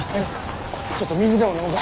ちょっと水でも飲もか。